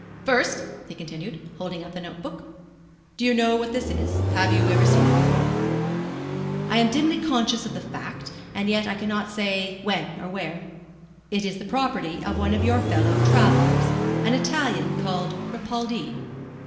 "First," he continued, holding up the note book, "do you know what this is? Have you ever seen it before?" "I am dimly conscious of the fact, and yet I cannot say when or where." "It is the property of one of your fellow travellers an Italian called Ripaldi."